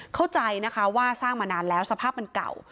เข้าใจนะคะว่าสร้างมานานแล้วสภาพมันเก่า